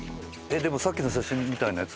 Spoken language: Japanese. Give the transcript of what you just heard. でもさっきの写真みたいなやつ？